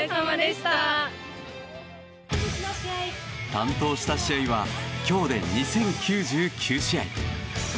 担当した試合は今日で２０９９試合。